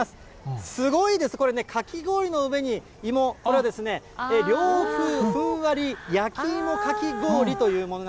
すごいです、これね、かき氷の上に芋、これは涼風ふんわり焼き芋かき氷というもの